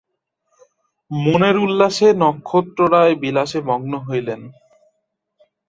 মনের উল্লাসে নক্ষত্ররায় বিলাসে মগ্ন হইলেন।